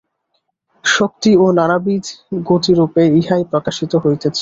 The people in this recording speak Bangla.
শক্তি ও নানাবিধ গতিরূপে ইহাই প্রকাশিত হইতেছে।